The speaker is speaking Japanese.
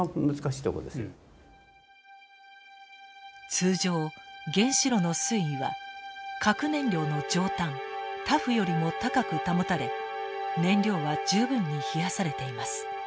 通常原子炉の水位は核燃料の上端ＴＡＦよりも高く保たれ燃料は十分に冷やされています。